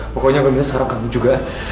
pokoknya gue minta saran kamu juga